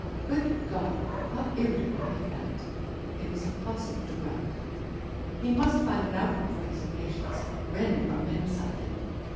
Good God! how irritable he felt. It was impossible to write. He must find an outlet for his impatience, rend or mend something.